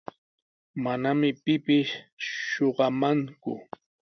Manami pipis shuqamanku.